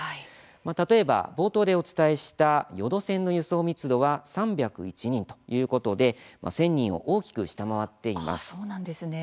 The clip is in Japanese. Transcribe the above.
例えば、冒頭でお伝えした予土線の輸送密度は３０１人ということで１０００人を大きく下回っています。